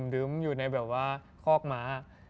ลืมอยู่ในแบบว่าคอกม้า